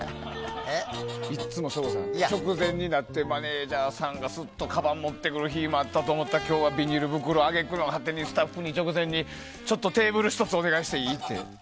いつも省吾さん直前になってマネージャーさんが、スッとかばん持ってくると思ったら今日はビニール袋揚げ句の果て、スタッフに直前にテーブル１つお願いしていい？と。